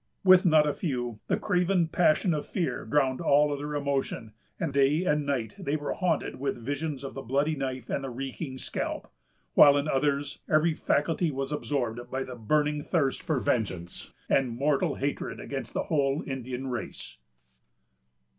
With not a few, the craven passion of fear drowned all other emotion, and day and night they were haunted with visions of the bloody knife and the reeking scalp; while in others, every faculty was absorbed by the burning thirst for vengeance, and mortal hatred against the whole Indian race.